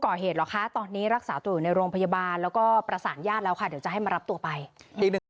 ปกติไม่มีคนอยู่เขาก็ปีดแล้วก็ไม่ได้อยู่ค่ะ